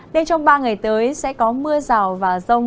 đến trong ba ngày tới sẽ có mưa rong và mưa rong